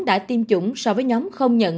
đã tiêm chủng so với nhóm không nhận